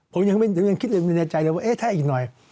ผมยังนำคิดในใจว่าถ้าอย่างหน่อย